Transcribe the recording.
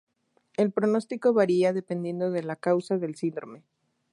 El pronóstico varía dependiendo de la causa del síndrome.